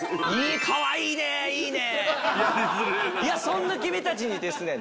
そんな君たちにですね